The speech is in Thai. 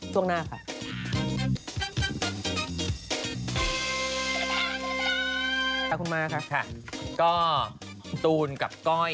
ช่วงหน้าค่ะ